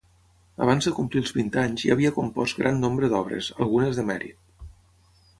Abans de complir els vint anys ja havia compost gran nombre d'obres, algunes de mèrit.